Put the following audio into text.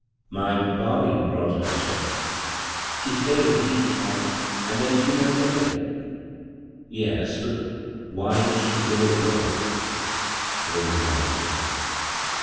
'* My Bobby brought her, sir. She stayed a week Eind — and then she went away." " Yes ; but why did she go away?" There was no answer.